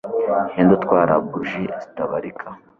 Ninde utwara buji zitabarika